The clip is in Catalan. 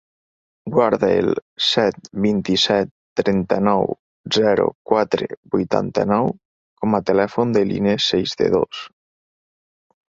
Guarda el set, vint-i-set, trenta-nou, zero, quatre, vuitanta-nou com a telèfon de l'Inés Seisdedos.